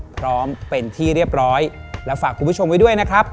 พร้อมเป็นที่เรียบร้อยแล้วฝากคุณผู้ชมไว้ด้วยนะครับ